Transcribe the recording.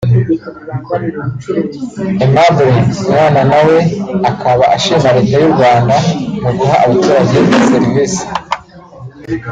Aimable Mwananawe akaba ashima Leta y’u Rwanda mu guha abaturage iyi serivisi